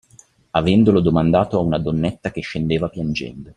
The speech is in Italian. Avendolo domandato a una donnetta che scendeva piangendo.